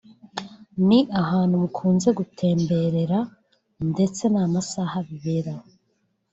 ni ahantu mukunze gutemberera ndetse n’amasaha biberaho